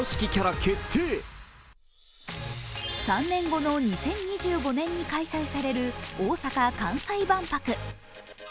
３年後の２０２５年に開催される大阪・関西万博。